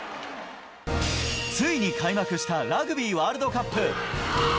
ついに開幕したラグビーワールドカップ。